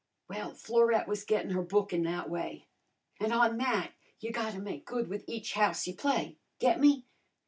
Well, Florette was gettin' her bookin' that way. An' on that you gotta make good with each house you play, get me?